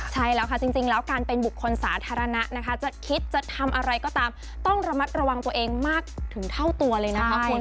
ใช่แล้วค่ะจริงแล้วการเป็นบุคคลสาธารณะนะคะจะคิดจะทำอะไรก็ตามต้องระมัดระวังตัวเองมากถึงเท่าตัวเลยนะคะคุณ